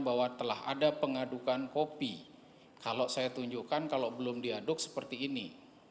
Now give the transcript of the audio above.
bahwa telah ada pengadukan kopi kalau saya tunjukkan kalau belum diaduk seperti ini